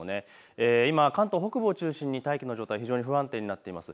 今、関東北部を中心に大気の状態非常に不安定になっています。